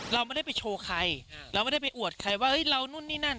เราไม่ได้ไปโชว์ใครเราไม่ได้ไปอวดใครว่าเรานู่นนี่นั่น